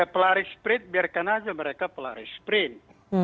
pelari sprint biarkan aja mereka pelari sprint